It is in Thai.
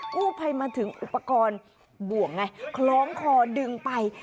กู้ภัยมาถึงอุปกรณ์บ่วงไงคล้องคอดึงไป